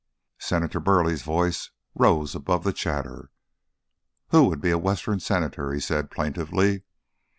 Senator Burleigh's voice rose above the chatter. "Who would be a Western Senator?" he said plaintively.